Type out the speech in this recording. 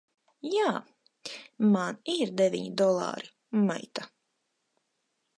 Jā. Man ir deviņi dolāri, maita!